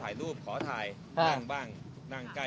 แต่ไม่รู้ว่าเขาทำอะไร